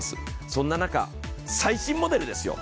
そんな中、最新モデルですよ。